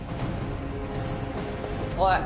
おい！